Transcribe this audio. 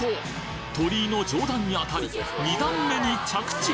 鳥居の上段に当たり２段目に着地！